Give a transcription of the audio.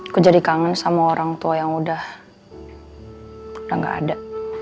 aku jadi kangen sama orang tua yang udah gak ada